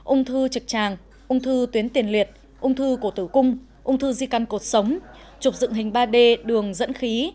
ung thư trực tràng ung thư tuyến tiền liệt ung thư cổ tử cung ung thư di căn cột sống chụp dựng hình ba d đường dẫn khí